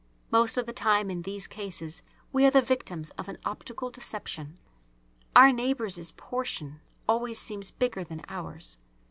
Most of the time in these cases we are the victims of an optical deception. Our neighbour's portion always seems bigger than ours.